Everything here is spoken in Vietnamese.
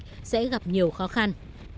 trang hoàng phục vụ apec sẽ gặp nhiều khó khăn